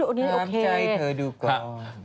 ถามใจเธอดูก่อน